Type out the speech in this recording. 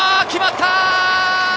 決まった！